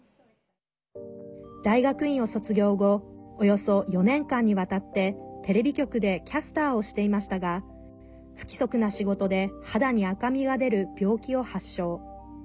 大学院を卒業後およそ４年間にわたってテレビ局でキャスターをしていましたが不規則な仕事で肌に赤みが出る病気を発症。